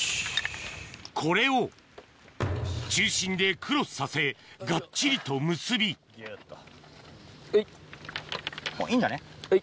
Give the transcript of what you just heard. これを中心でクロスさせがっちりと結びはい。